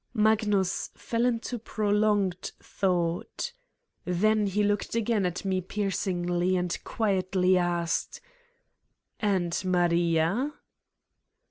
Magnus fell into prolonged thought. Then he looked again at me piercingly and quietly asked: "And Maria?